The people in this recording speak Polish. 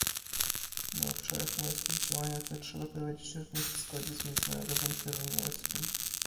Na obszarach morskich działania te trzeba prowadzić również w zgodzie z międzynarodowym prawem morskim